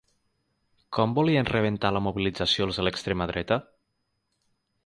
Com volien rebentar la mobilització els de l'extrema dreta?